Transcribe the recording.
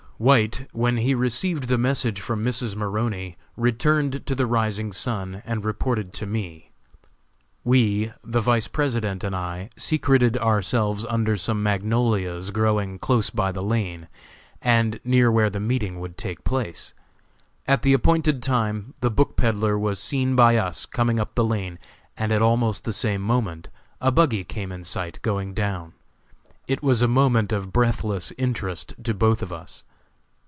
White, when he received the message from Mrs. Maroney, returned to the Rising Sun and reported to me. We (the Vice President and I) secreted ourselves under some magnolias growing close by the lane, and near where the meeting would take place. At the appointed time the book peddler was seen by us coming up the lane, and at almost the same moment a buggy came in sight going down. It was a moment of breathless interest to both of us.